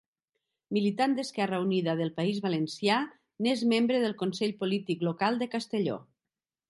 Militant d'Esquerra Unida del País Valencià, n'és membre del consell polític local de Castelló.